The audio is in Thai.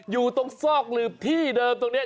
อยู่ตรงซอกหลืบที่เดิมตรงนี้